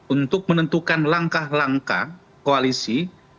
untuk menentukan langkah langkah koalisi